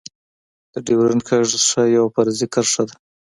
د ډيورند کرښه يوه فرضي کرښه ده.